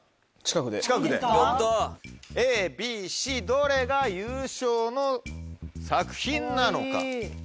ＡＢＣどれが優勝の作品なのか。